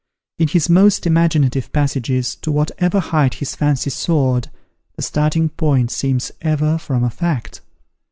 In his most imaginative passages, to whatever height his fancy soared, the starting point seems ever from a fact.